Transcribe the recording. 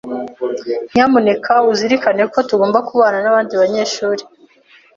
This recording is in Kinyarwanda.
Nyamuneka uzirikane ko tugomba kubana nabandi banyeshuri.